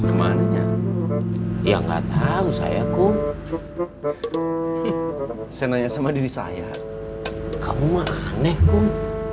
enggak tahu saya kum saya nanya sama diri saya kamu aneh kum